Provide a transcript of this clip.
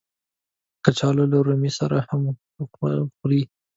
کچالو له رومي سره هم ښه خوري